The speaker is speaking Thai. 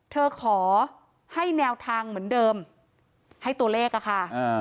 ขอให้แนวทางเหมือนเดิมให้ตัวเลขอะค่ะ